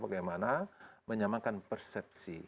bagaimana menyamakan persepsi